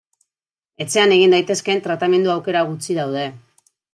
Etxean egin daitezkeen tratamendu aukera gutxi daude.